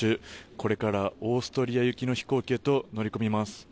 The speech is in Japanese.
これから、オーストリア行きの飛行機へと乗り込みます。